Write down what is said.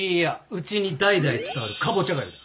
うちに代々伝わるかぼちゃがゆだ。